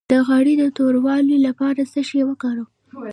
د غاړې د توروالي لپاره څه شی وکاروم؟